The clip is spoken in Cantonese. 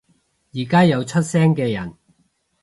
而家有出聲嘅人